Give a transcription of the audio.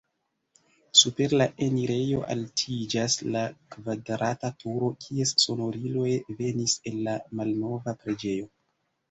Super la enirejo altiĝas la kvadrata turo, kies sonoriloj venis el la malnova preĝejo.